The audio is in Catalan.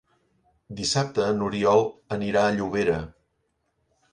Dissabte n'Oriol anirà a Llobera.